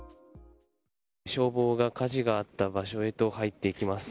消防が火事があった場所へと入っていきます。